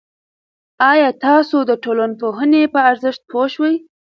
آیا تاسو د ټولنپوهنې په ارزښت پوه شوئ؟